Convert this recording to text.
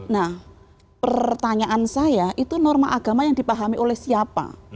nah pertanyaan saya itu norma agama yang dipahami oleh siapa